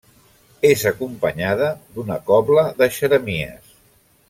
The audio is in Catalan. És acompanyada d'una cobla de xeremies.